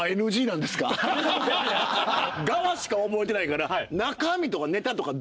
側しか覚えてないから。